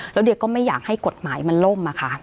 แล้วเดียก็ไม่อยากให้กฎหมายมันล่มอะค่ะ